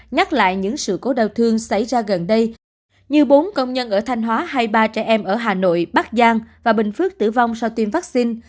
nhắc lại những sự cố đau thương xảy ra gần đây như bốn công nhân ở thanh hóa hay ba trẻ em ở hà nội bắc giang và bình phước tử vong sau tiêm vaccine